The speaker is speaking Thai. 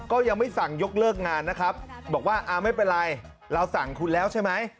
ก็ยังไม่สั่งยกเลิกงานนะครับบอกว่าอ่าไม่เป็นไรเราสั่งคุณแล้วใช่ไหม